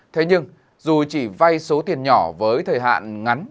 thế nhưng dù chỉ vay số tiền nhỏ với thời hạn ngắn